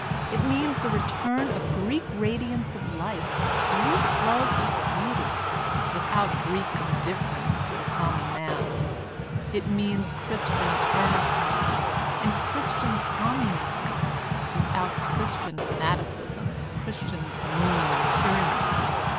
It means the re turn of Greek radiance of life, Greek love of beauty, without Greek indifference to the common man ; it means Christian earnestness and Christian Communism, without Christian fanaticism and Christian gloom and tyranny.